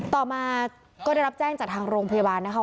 ต่อมาก็ได้รับแจ้งจากทางโรงพยาบาลนะคะ